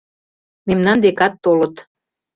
Мемнан декат толыт.